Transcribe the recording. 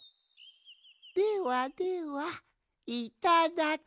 ではではいただき。